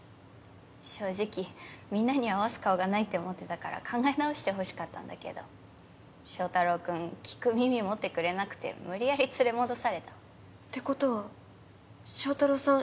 正直みんなに合わす顔がないって思ってたから考え直してほしかったんだけど正太郎君聞く耳持ってくれなくて無理やり連れ戻された。ってことは正太郎さん